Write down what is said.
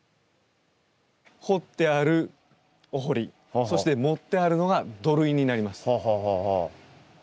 掘ってあるお堀そして盛ってあるのが土塁になります。